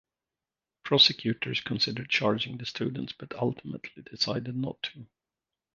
Prosecutors considered charging the students but ultimately decided not to.